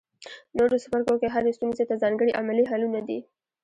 نورو څپرکو کې هرې ستونزې ته ځانګړي عملي حلونه دي.